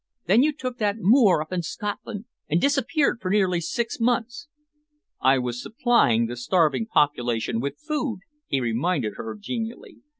Then you took that moor up in Scotland and disappeared for nearly six months." "I was supplying the starving population with food," he reminded her genially.